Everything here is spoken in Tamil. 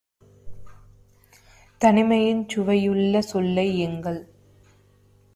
தனிமைச் சுவையுள்ள சொல்லை - எங்கள்